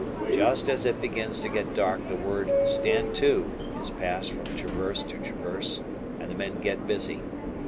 Just as it begins to get dark the word "stand to" is passed from traverse to traverse, and the men get busy.